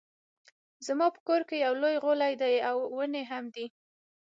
زما په کور کې يو لوی غولی دی ونې هم دي